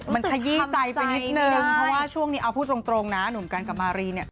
มันขยี้ใจไปนิดนึงเพราะว่าช่วงนี้เอาพูดตรงนะหนุ่มกันกับมารีเนี่ย